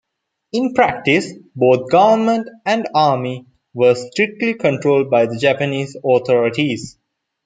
In practice, both government and army were strictly controlled by the Japanese authorities.